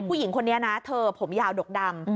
ผู้หญิงคนนี้นะเธอผมยาวดกดำ